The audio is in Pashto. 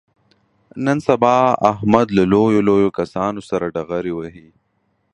نن سبا احمد هم له لویو لویو کسانو سره ډغرې وهي.